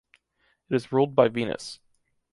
It is ruled by Venus.